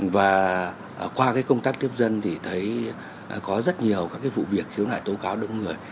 và qua công tác kiếp dân thì thấy có rất nhiều các vụ việc khiến lại tố cáo đất người